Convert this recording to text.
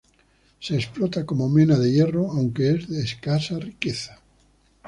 Se explota como mena de hierro, aunque es de escasa riqueza.